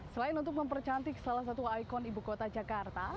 selain untuk mempercantik salah satu ikon ibu kota jakarta